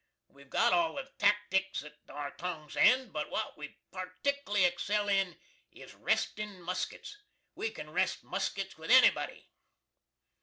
We've got all the tackticks at our tongs' ends, but what we particly excel in is restin muskits. We can rest muskits with anybody.